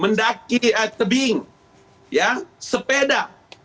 mendaki tebing ya sepeda